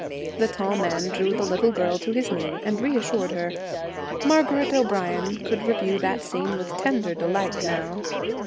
The tall man drew the little girl to his knee and reassured her. Margaret O'Brien could review that scene with tender delight now.